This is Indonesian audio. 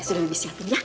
sudah disiapin ya